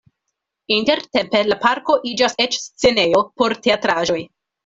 Intertempe la parko iĝas eĉ scenejo por teatraĵoj.